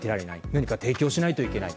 何か提供しないといけない。